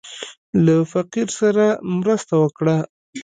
له فقير سره مرسته وکړه.